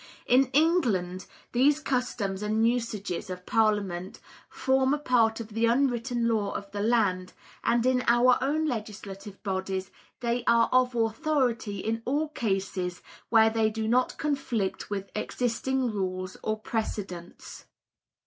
In England these customs and usages of Parliament form a part of the unwritten law of the land, and in our own legislative bodies they are of authority in all cases where they do not conflict with existing rules or precedents.